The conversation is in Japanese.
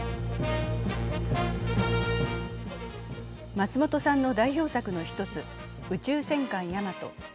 松本さんの代表作の一つ「宇宙戦艦ヤマト」。